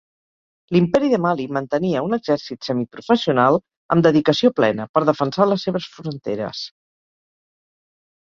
L'Imperi de Mali mantenia un exèrcit semiprofessional, amb dedicació plena, per defensar les seves fronteres.